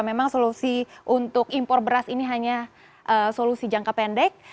memang solusi untuk impor beras ini hanya solusi jangka pendek